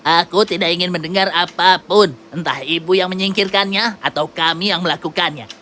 aku tidak ingin mendengar apapun entah ibu yang menyingkirkannya atau kami yang melakukannya